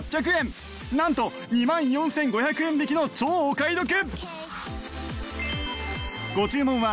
なんと２万４５００円引きの超お買い得